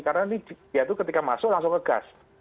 karena ini dia itu ketika masuk langsung ke gas